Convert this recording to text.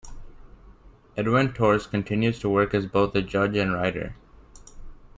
Edwin Torres continues to work as both a judge and writer.